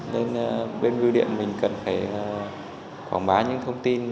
nên bên biêu điện mình cần phải quảng bá những thông tin